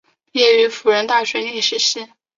毕业于辅仁大学历史系。